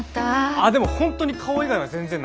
あっでも本当に顔以外は全然なんで。